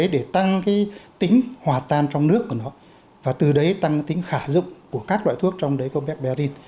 để tăng tính hòa tan trong nước của nó và từ đấy tăng tính khả dụng của các loại thuốc trong đấy có bếp berin